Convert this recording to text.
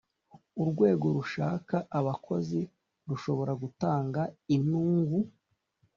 urwego rushaka abakozi rushobora gutanga inungu